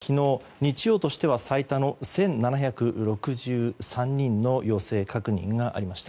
東京都は昨日日曜としては最多の１７６３人の陽性確認がありました。